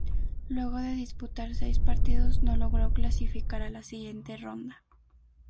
Luego de disputar seis partidos, no logró clasificar a la siguiente ronda.